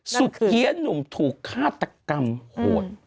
เสียหนุ่มถูกฆาตกรรมโหด